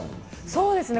そうですね。